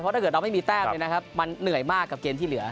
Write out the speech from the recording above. เพราะถ้าเกิดเราไม่มีแทบเลยนะครับมันเหนื่อยมากกับเกณฑ์ที่เหลือ